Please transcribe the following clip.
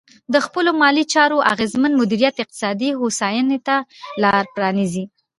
د خپلو مالي چارو اغېزمن مدیریت اقتصادي هوساینې ته لار پرانیزي.